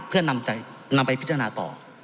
เพื่อนำไปพิจารณาต่อ